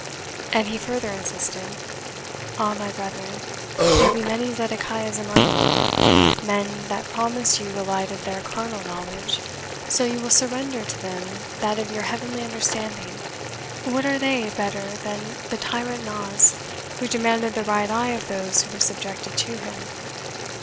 And he further insisted 'Ah, my brethren, there be many Zedekiahs among you men that promise you the light of their carnal knowledge, so you will surrender to them that of your heavenly understanding. What are they better than the tyrant Naas, who demanded the right eye of those who were subjected to him?'